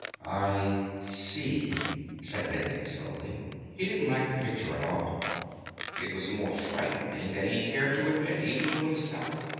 "I see," said Bending slowly. He didn't like the picture at all; it was more frightening than he cared to admit, even to himself.